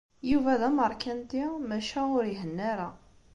Yuba d ameṛkanti maca ur ihenna ara.